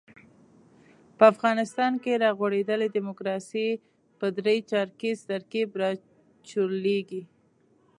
په افغانستان کې را غوړېدلې ډیموکراسي پر درې چارکیز ترکیب راچورلېږي.